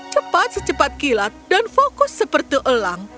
cepat secepat kilat dan fokus seperti elang